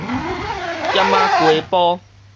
店仔街埔